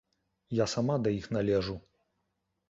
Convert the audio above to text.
Я сама да іх належу.